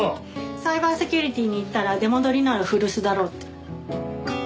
サイバーセキュリティに行ったら出戻りなら古巣だろうって。